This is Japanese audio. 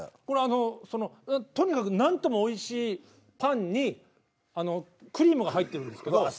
これあのそのとにかく何ともおいしいパンにあのクリームが入ってるんですけど。